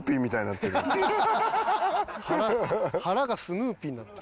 腹がスヌーピーになってる。